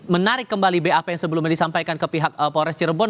menarik kembali bap yang sebelumnya disampaikan ke pihak polres cirebon